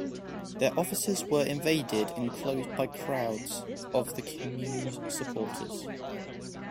Their offices were invaded and closed by crowds of the Commune's supporters.